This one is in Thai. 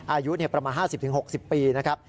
อายุประมาณ๕๐๖๐ปีนะครับ